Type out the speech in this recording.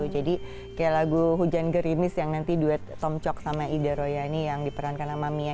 jadi kayak lagu hujan gerimis yang nanti duet tom cok sama ida royani yang diperankan sama mia